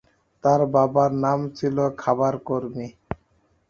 তার বাবা ছিলেন খামারকর্মী।